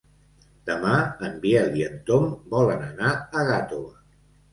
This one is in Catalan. Demà en Biel i en Tom volen anar a Gàtova.